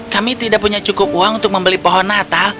kami tidak punya cukup uang untuk membeli pohon natal